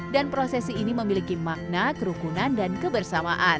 dan prosesi ini memiliki makna kerukunan dan kebersamaan